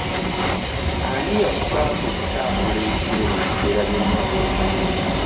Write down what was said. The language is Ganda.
Ani yakugamba okutambula ekiro mu biseera by'ennaku enkulu?